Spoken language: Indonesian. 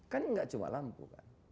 kan enggak cuma lampu